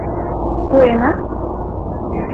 — Пуэна?